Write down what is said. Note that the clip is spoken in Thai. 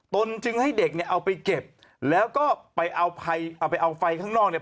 ตนจึงให้เด็กเนี่ยเอาไปเก็บแล้วก็ไปเอาไปเอาไฟข้างนอกเนี่ย